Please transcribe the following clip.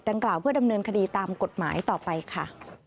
กล่าวเพื่อดำเนินคดีตามกฎหมายต่อไปค่ะ